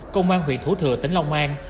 công an huyền thủ thừa tỉnh lòng an